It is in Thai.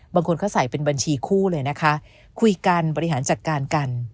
บางคนเขาใส่เป็นบัญชีคู่เลยนะคะคุยกันบริหารจัดการกัน